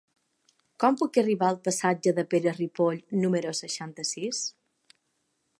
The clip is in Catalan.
Com puc arribar al passatge de Pere Ripoll número seixanta-sis?